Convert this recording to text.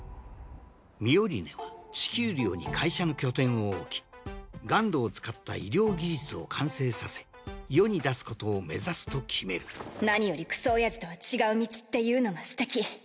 ミオリネは地球寮に会社の拠点を置きＧＵＮＤを使った医療技術を完成させ世に出すことを目指すと決める何よりクソおやじとは違う道っていうのがすてき。